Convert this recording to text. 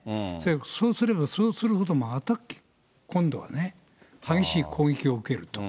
そうすれば、そうするほど、また今度はね、激しい攻撃を受けると。